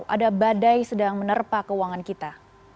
ada badai sedang menerpa keuangan kita